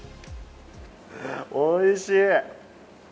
おいしい！